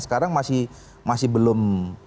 sekarang masih belum